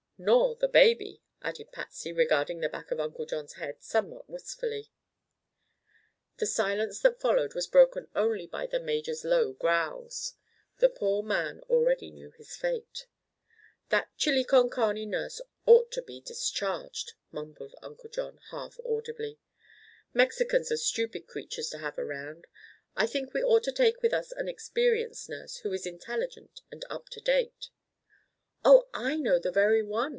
"Nor the baby," added Patsy, regarding the back of Uncle John's head somewhat wistfully. The silence that followed was broken only by the major's low growls. The poor man already knew his fate. "That chile con carne nurse ought to be discharged," mumbled Uncle John, half audibly. "Mexicans are stupid creatures to have around. I think we ought to take with us an experienced nurse, who is intelligent and up to date." "Oh, I know the very one!"